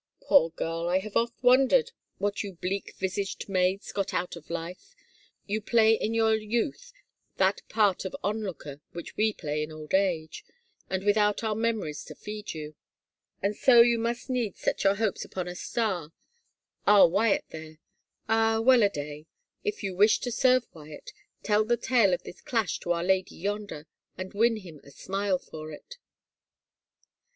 " Poor girl, I have oft wondered what you bleak visaged maids got out of life ; you play in your youth that part of onlooker which we play in old age — and without our memories to feed you. ... And so you must needs set your hopes upon a star — our Wyatt there. Ah, well a dayl If you wish to serve Wyatt, tell the tale of this clash to our lady yonder and win him a smile for it."